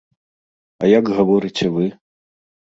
А як гаворыце вы?